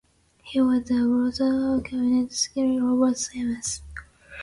He was the brother of cabinet secretary Robert Smith.